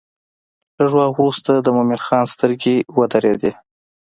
لږ وخت وروسته د مومن خان سترګې ودرېدې.